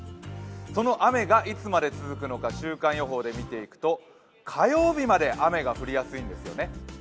その雨がいつまで続くのか週間予報で見ていくと火曜日まで雨が降りやすいんですよね。